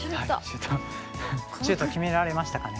シュート決められましたかね。